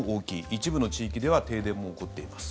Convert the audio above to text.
一部の地域では停電も起こっています。